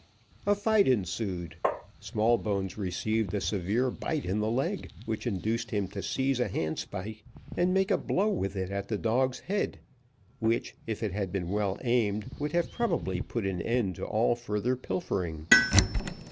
A fight ensued; Smallbones received a severe bite in the leg, which induced him to seize a handspike, and make a blow with it at the dog's head, which, if it had been well aimed, would have probably put an end to all further pilfering.